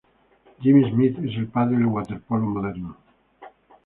Jimmy Smith, es el padre del waterpolo moderno.